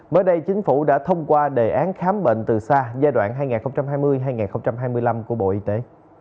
mới đây chính phủ đã thông qua đề án khám bệnh từ xa giai đoạn hai nghìn hai mươi hai nghìn hai mươi năm của bộ y tế